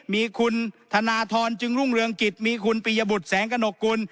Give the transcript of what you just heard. มีคุณธนทรจึงรุ่งเรืองกิจมีคุณปียบุตรแสงกระหนกกุล